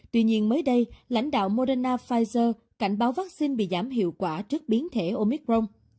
tuy nhiên mới đây lãnh đạo moderna pfizer cảnh báo vaccine bị giảm hiệu quả trước biến thể omicron